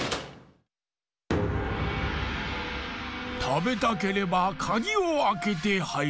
たべたければかぎをあけてはいるべし。